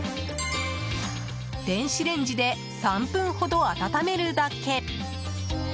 電子レンジで３分ほど温めるだけ。